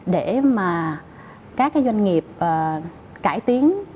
để mà các doanh nghiệp cải tiến